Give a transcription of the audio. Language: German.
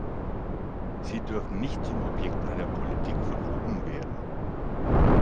Sie dürfen nicht zum Objekt einer Politik von oben werden.